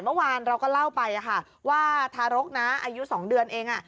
เมื่อวานเราก็เล่าไปว่าทารกนะอายุ๒เดือนเอง